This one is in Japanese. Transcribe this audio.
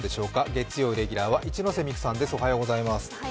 月曜レギュラーは一ノ瀬美空さんです。